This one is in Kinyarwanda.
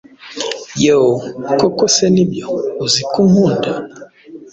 Yoo, koko se nibyo, uziko unkunda